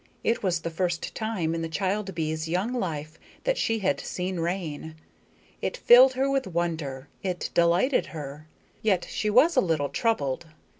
It was the first time in the child bee's young life that she had seen rain. It filled her with wonder; it delighted her. Yet she was a little troubled.